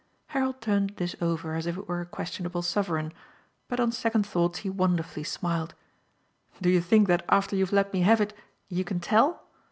Harold turned this over as if it were a questionable sovereign, but on second thoughts he wonderfully smiled. "Do you think that after you've let me have it you can tell?